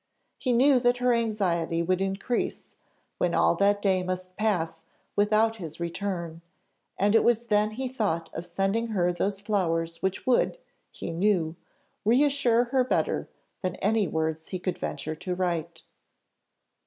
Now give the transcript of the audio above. He knew that her anxiety would increase, when all that day must pass without his return, and it was then he thought of sending her those flowers which would, he knew, reassure her better than any words he could venture to write.